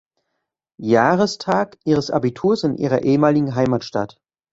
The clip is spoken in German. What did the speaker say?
Jahrestag ihres Abiturs in ihrer ehemaligen Heimatstadt.